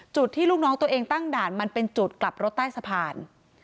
ที่ลูกน้องตัวเองตั้งด่านมันเป็นจุดกลับรถใต้สะพาน